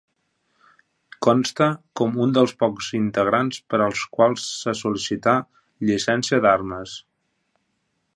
Consta com un dels pocs integrants per als quals se sol·licità llicència d'armes.